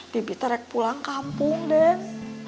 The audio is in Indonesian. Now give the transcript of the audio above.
bibit terek pulang kampung den